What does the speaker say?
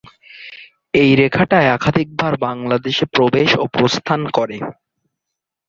এই রেখাটি একাধিক বার বাংলাদেশে প্রবেশ ও প্রস্থান করে।